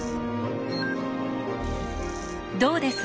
どうです？